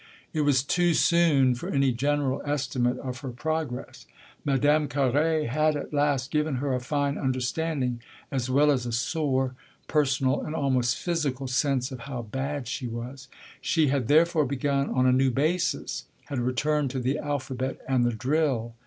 It was too soon for any general estimate of her progress; Madame Carré had at last given her a fine understanding as well as a sore, personal, an almost physical, sense of how bad she was. She had therefore begun on a new basis, had returned to the alphabet and the drill.